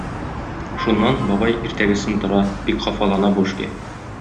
Шуннан, бабай иртәгесен тора, бик хафалана бу эшкә.